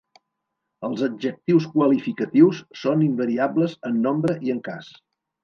Els adjectius qualificatius són invariables en nombre i en cas.